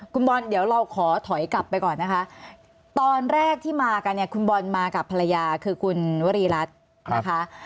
คุณบอลเดี๋ยวเราขอถอยกลับไปก่อนนะคะตอนแรกที่มากันเนี่ยคุณบอลมากับภรรยาคือคุณวรีรัฐนะคะ